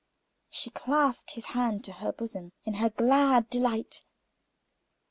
She clasped his hand to her bosom in her glad delight.